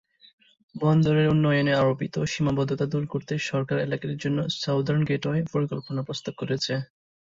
বন্দরের উন্নয়নে আরোপিত সীমাবদ্ধতা দূর করতে সরকার এলাকাটির জন্য "সাউদার্ন গেটওয়ে" পরিকল্পনা প্রস্তাব করেছে।